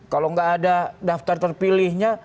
kalau nggak ada daftar terpilihnya